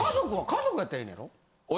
家族やったらええねやろ？